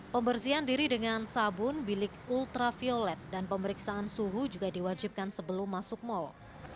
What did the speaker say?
pembersihan diri dengan sabun bilik ultraviolet dan pemeriksaan suhu juga diwajibkan sebelum masuk mal